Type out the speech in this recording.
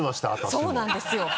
そうなんですよ。